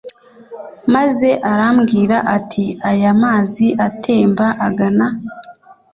Maze arambwira ati Aya mazi atemba agana